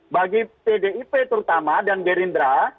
bagi pdip terutama dan gerindra